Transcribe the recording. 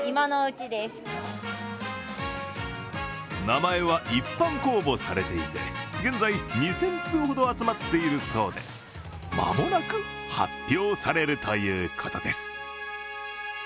名前は一般公募されていて、現在２０００通ほど集まっているそうで間もなく発表されるということです。